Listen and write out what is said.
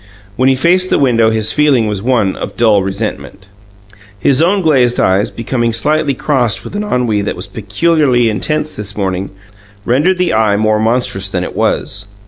When he faced the window his feeling was one of dull resentment. His own glazed eyes, becoming slightly crossed with an ennui that was peculiarly intense this morning, rendered the Eye more monstrous than it was.